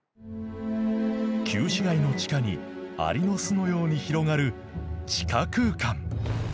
旧市街の地下にアリの巣のように広がる地下空間！